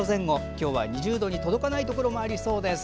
今日は２０度に届かないところもありそうです。